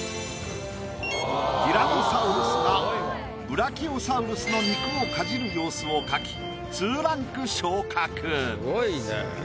ティラノサウルスがブラキオサウルスの肉をかじる様子を描きすごいね。